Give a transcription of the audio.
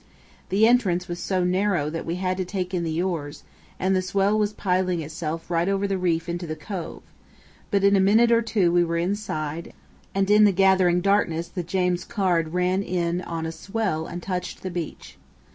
The entrance was so narrow that we had to take in the oars, and the swell was piling itself right over the reef into the cove; but in a minute or two we were inside, and in the gathering darkness the James Caird ran in on a swell and touched the beach.